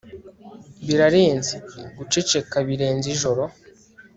Birarenze guceceka birenze ijoro